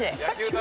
何？